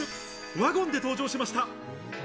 ワゴンで登場しました。